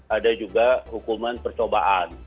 ada juga hukuman percobaan